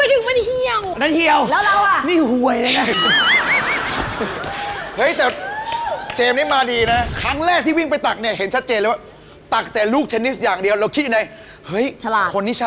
ถือว่าเป็นโกรเดนไอเทมที่ทรงอนุภาพจริงเลยนะครับเนี่ย